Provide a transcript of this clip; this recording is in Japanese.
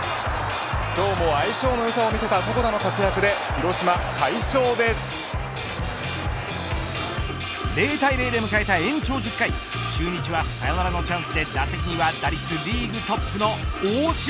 今日も相性のよさを見せた床田の活躍で０対０で迎えた延長１０回中日はサヨナラのチャンスで打席には打率リーグトップの大島。